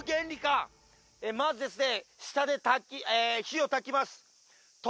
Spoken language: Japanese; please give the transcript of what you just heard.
まずですね